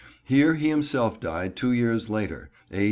Here he himself died, two years later, A.